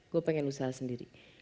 gue pengen usaha sendiri